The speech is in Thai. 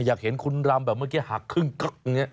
อยากเห็นคุณรำแบบเมื่อกี้หักครึ่งกักอย่างนี้